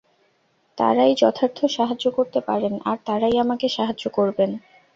তাঁরাই যথার্থ সাহায্য করতে পারেন, আর তাঁরাই আমাকে সাহায্য করবেন।